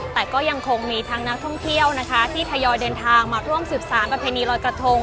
แต่ก็ยังคงมีทั้งนักท่องเที่ยวนะคะที่ทยอยเดินทางมาร่วมสืบสารประเพณีลอยกระทง